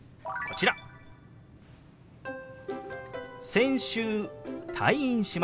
「先週退院しました」。